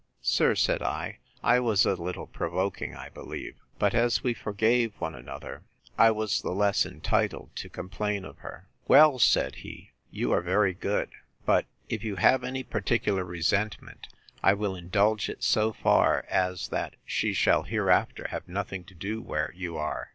Sir, said I, I was a little provoking, I believe; but as we forgave one another, I was the less entitled to complain of her. Well, said he, you are very good; but if you have any particular resentment, I will indulge it so far, as that she shall hereafter have nothing to do where you are.